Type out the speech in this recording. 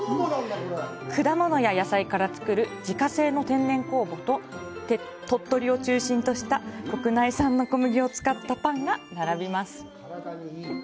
果物や野菜から作る自家製の天然酵母と鳥取を中心とした国内産の小麦を使ったパンが並びます。